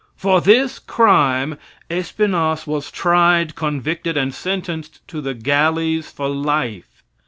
For this crime Espenasse was tried, convicted and sentenced to the galleys for life.